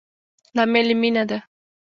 لامل يي مينه ده